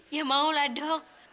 ya maulah dok